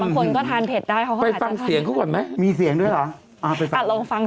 มันก็ทำให้เราท้อว่างก็มีน่ะไม่ใช่แค่เขาสนุกแล้วมันทำให้คนลูกน้องเราอีก